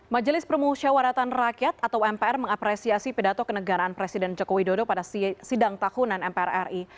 majelis permusyawaratan rakyat atau mpr mengapresiasi pidato kenegaraan presiden joko widodo pada sidang tahunan mpr ri